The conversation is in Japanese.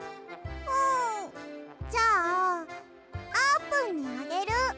んじゃああーぷんにあげる。